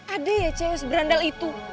ada ya chaos berandal itu